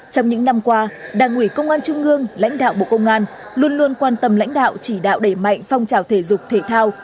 trong những năm qua đảng ủy công an trung ương lãnh đạo bộ công an luôn luôn quan tâm lãnh đạo chỉ đạo đẩy mạnh phong trào thể dục thể thao